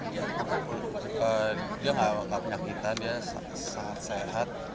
dia tidak ada penyakitan dia sangat sehat